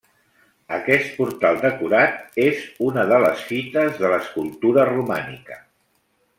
Aquest portal decorat és una de les fites de l'escultura romànica.